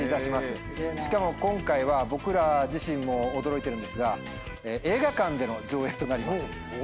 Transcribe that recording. しかも今回は僕ら自身も驚いてるんですが映画館での上映となります。